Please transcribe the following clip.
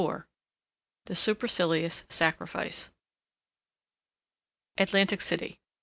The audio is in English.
The Supercilious Sacrifice Atlantic City.